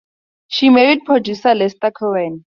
She married producer Lester Cowan.